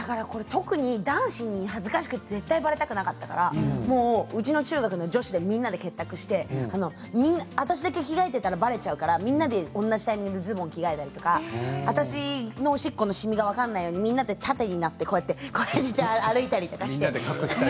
男子に恥ずかしくて絶対ばれたくなかったからうちの中学校の女子でみんなで結託して私だけ着替えていたらばれちゃうから、みんなで同じタイミングでズボンを着替えたりとか私のおしっこのしみが分からないようにみんなで縦になってみんなで隠したりして。